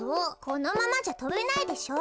このままじゃとべないでしょ。